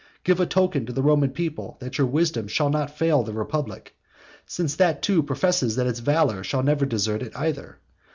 Give a token to the Roman people that your wisdom shall not fail the republic, since that too professes that its valour shall never desert it either.